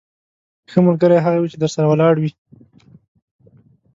ښه ملګری هغه وي چې درسره ولاړ وي.